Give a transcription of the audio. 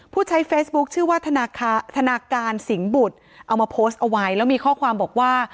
ผู้ใช้เฟซบุ๊คชื่อว่าธนาการสิงห์บุตรเอามาโพสต์เอาไว้แล้วมีข้อความบอกว่า